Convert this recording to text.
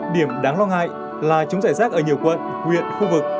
điểm đáng lo ngại là chúng giải rác ở nhiều quận huyện khu vực